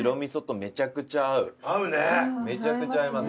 めちゃくちゃ合いますね。